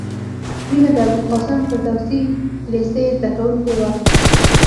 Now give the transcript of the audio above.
مینه د ابوالقاسم فردوسي لېسې زدکوونکې وه